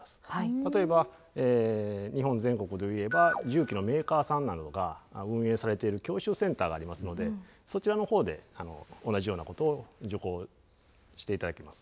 例えば日本全国で言えば重機のメーカーさんなどが運営されている教習センターがありますのでそちらの方で同じようなことを受講して頂けます。